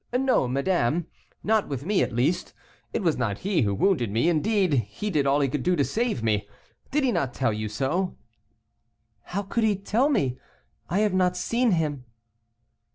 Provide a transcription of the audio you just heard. "No, madame; not with me at least; it was not he who wounded me. Indeed, he did all he could to save me. Did he not tell you so?" "How could he tell me? I have not seen him."